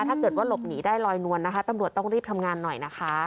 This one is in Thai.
ถ้าเกิดว่าหลบหนีได้ลอยนวลนะคะตำรวจต้องรีบทำงานหน่อยนะคะ